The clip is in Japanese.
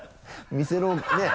店のねぇ？